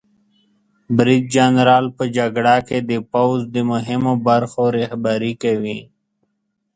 برید جنرال په جګړه کې د پوځ د مهمو برخو رهبري کوي.